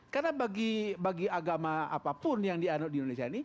karena bagi agama apapun yang diandalkan di indonesia